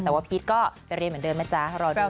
แต่ว่าพีชก็ไปเรียนเหมือนเดิมนะจ๊ะรอดู